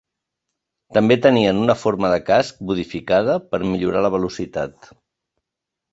També tenien una forma de casc modificada per millorar la velocitat.